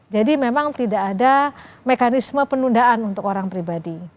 jadi memang tidak ada mekanisme penundaan untuk orang pribadi